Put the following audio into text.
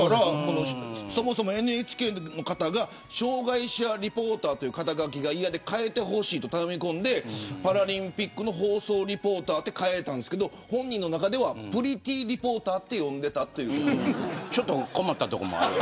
そもそも、ＮＨＫの方が障害者リポーターという肩書が嫌で変えてほしいと頼み込んでパラリンピックの放送リポーターと変えたんですが本人の中ではプリティーリポーターとちょっと困ったところもある。